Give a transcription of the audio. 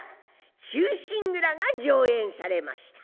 「忠臣蔵」が上演されました。